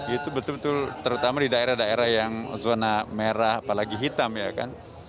itu betul betul terutama di daerah daerah yang zona merah apalagi hitam ya kan